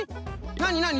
なになに？